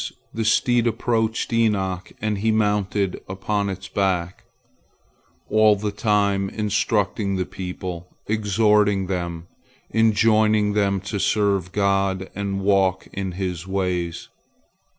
The steed approached Enoch, and he mounted upon its back, all the time instructing the people, exhorting them, enjoining them to serve God and walk in His ways.